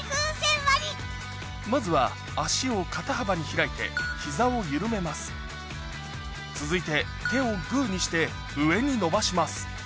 まずは足を肩幅に開いて膝を緩めます続いて手をグーにして上に伸ばします